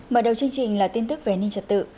mở đầu chương trình là tin tức về an ninh trật tự